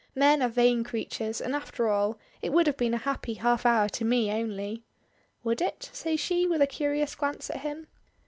Men are vain creatures; and after all it would have been a happy half hour to me only!" "Would it?" says she with a curious glance at him.